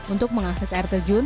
untuk mengakses air terjun